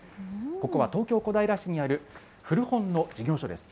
ここは東京・小平市にある古本の事業所です。